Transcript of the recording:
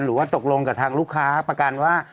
หรือว่าตกลงกับทางลูกค้าประกันว่า